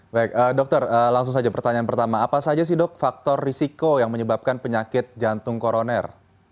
baik dokter langsung saja pertanyaan pertama apa saja sih dok faktor risiko yang menyebabkan penyakit jantung koroner